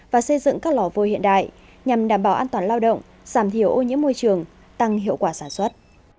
và xây dựng các lò vôi hiện đại nhằm đảm bảo an toàn lao động giảm thiểu ô nhiễm môi trường tăng hiệu quả sản xuất